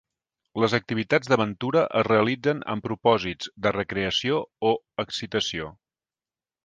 Les activitats d'aventura es realitzen amb propòsits de recreació o excitació.